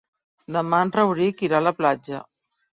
Demà en Rauric irà a la platja.